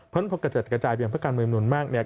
เพราะฉะนั้นพอกระจัดกระจายเป็นอย่างภาคการเมืองจำนวนมาก